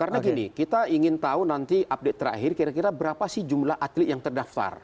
karena gini kita ingin tahu nanti update terakhir kira kira berapa sih jumlah atlet yang terdaftar